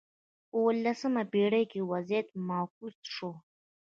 په اولسمه پېړۍ کې وضعیت معکوس شو.